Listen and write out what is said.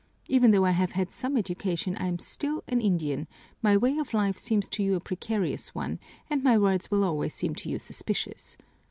Even though I have had some education I am still an Indian, my way of life seems to you a precarious one, and my words will always seem to you suspicious.